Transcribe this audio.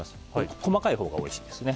細かいほうがおいしいです。